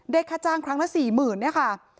ค่าจ้างครั้งละ๔๐๐๐เนี่ยค่ะ